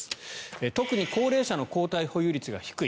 特に高齢者の抗体保有率が低い。